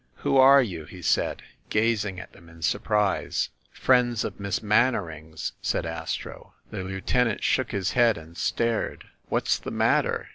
"Who are you ?" he said, gazing at them in surprise. "Friends of Miss Mannering's," said Astro. The lieutenant shook his head, and stared. "What's the matter